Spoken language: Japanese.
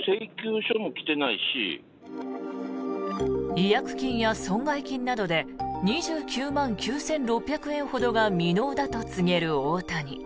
違約金や損害金などで２９万９６００円ほどが未納だと告げるオオタニ。